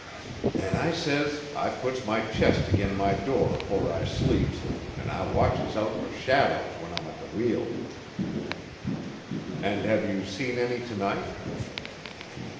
"Then I says I puts my chest agin my door afore I sleeps an' I watches out for shadows when I'm at the wheel." "And have you seen any to night?"